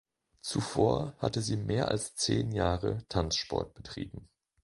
Zuvor hatte sie mehr als zehn Jahre Tanzsport betrieben.